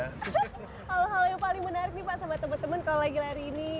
hal hal yang paling menarik nih pak sama teman teman kalau lagi lari ini